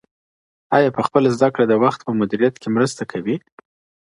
آیا پخپله زده کړه د وخت په مدیریت کي مرسته کوي؟